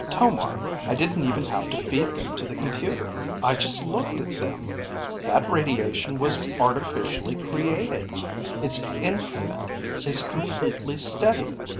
Tomar, I didn't even have to feed them to the computer. I just looked at them. That radiation was artificially created. Its increment is completely steady.